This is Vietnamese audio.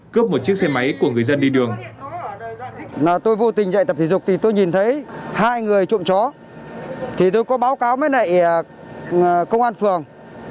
cướp một chiếc xe máy của người dân đi đường